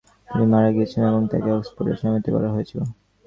তিনি মারা গিয়েছিলেন এবং তাকে অক্সফোর্ডে সমাহিত করা হয়েছিল।